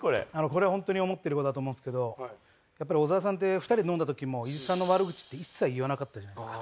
これは本当に思ってる事だと思うんですけどやっぱり小澤さんって２人で飲んだ時も伊地知さんの悪口って一切言わなかったじゃないですか。